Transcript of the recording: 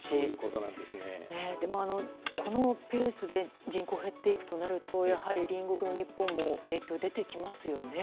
でも、このペースで人口が減っていくとなるとやはり、隣国の日本も影響出てきますよね。